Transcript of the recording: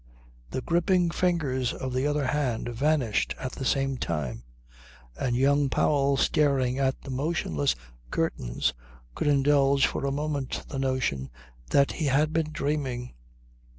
The gripping fingers of the other hand vanished at the same time, and young Powell staring at the motionless curtains could indulge for a moment the notion that he had been dreaming.